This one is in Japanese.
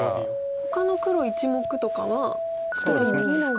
ほかの黒１目とかは捨ててもいいんですか？